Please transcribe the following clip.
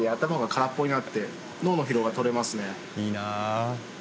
いいな。